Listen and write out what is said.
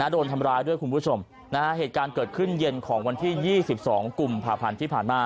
โดนทำร้ายด้วยคุณผู้ชมเหตุการณ์เกิดขึ้นเย็นของวันที่๒๒กุมภาพันธ์ที่ผ่านมา